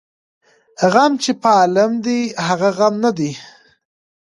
ـ غم چې په عالم دى هغه غم نه دى.